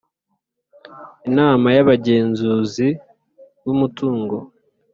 Inama y abagenzuzi b umutungo